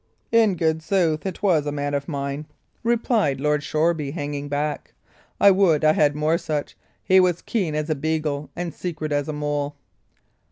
"In good sooth, it was a man of mine," replied Lord Shoreby, hanging back. "I would I had more such. He was keen as a beagle and secret as a mole."